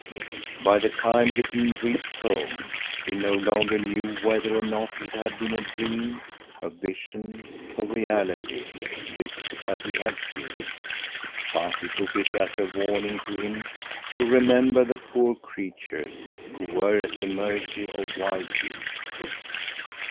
"By the time the dean reached home he no longer knew whether or not it had been a dream, a vision, or reality this that he had seen; but he took it as a warning to him to remember the poor creatures who were at the mercy of wild beasts.